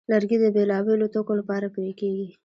لرګی د بېلابېلو توکو لپاره پرې کېږي.